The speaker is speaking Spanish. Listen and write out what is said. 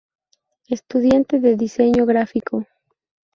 Estudiante de Diseño Gráfico.